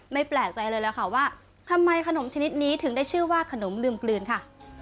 แปลกใจเลยล่ะค่ะว่าทำไมขนมชนิดนี้ถึงได้ชื่อว่าขนมลืมกลืนค่ะ